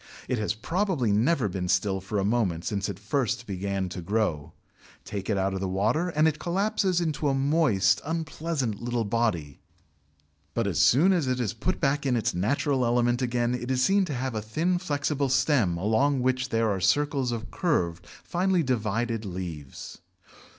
It has probably never been still for a moment since it first began to grow. Take it out of the water, and it collapses into a moist, unpleasant little body, but as soon as it is put in its natural element again it is seen to have a thin flexible stem along which there are circles of curved, finely divided leaves.